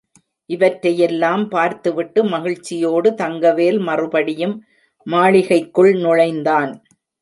இவற்றையெல்லாம் பார்த்துவிட்டு மகிழ்ச்சியோடு தங்கவேல் மறுபடியும் மாளிகைக்குள் நுழைந்தான்.